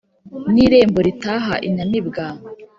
n’irembo ritaha inyamibwa